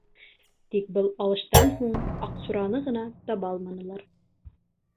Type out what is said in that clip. Тик был алыштан һуң Аҡсураны ғына таба алманылар.